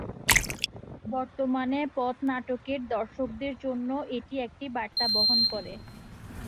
বর্তমানে পথ নাটকের দর্শকদের জন্য এটি একটি বার্তা বহন করে।